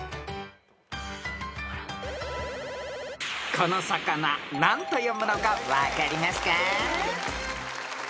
［この魚何と読むのか分かりますか？］